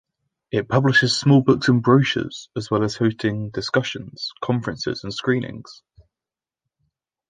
It publishes small books and brochures, as well as hosting discussions, conferences, and screenings.